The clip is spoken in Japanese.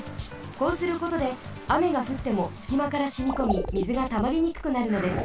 こうすることであめがふってもすきまからしみこみみずがたまりにくくなるのです。